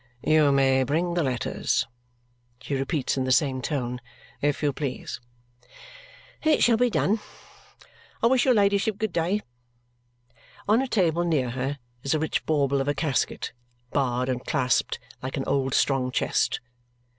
"You may bring the letters," she repeats in the same tone, "if you please." "It shall be done. I wish your ladyship good day." On a table near her is a rich bauble of a casket, barred and clasped like an old strong chest.